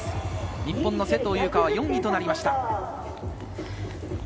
日本の勢藤優花は４位となりました。